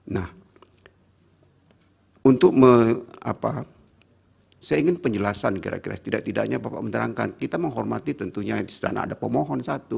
nah untuk saya ingin penjelasan kira kira setidak tidaknya bapak menerangkan kita menghormati tentunya di istana ada pemohon satu